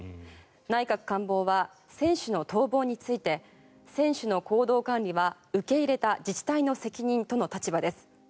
内閣官房は選手の逃亡について選手の行動管理は受け入れた自治体の責任との立場です。